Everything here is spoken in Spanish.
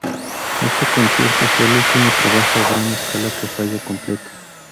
Este concierto fue el último trabajo a gran escala que Falla completó.